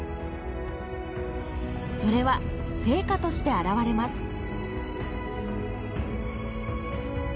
それは成果として表れます。